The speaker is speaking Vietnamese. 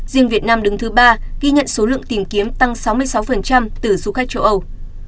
riêng việt nam đứng thứ ba ghi nhận số lượng tìm kiếm tăng sáu mươi sáu từ du khách châu âu